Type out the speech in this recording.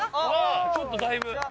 ちょっとだいぶ。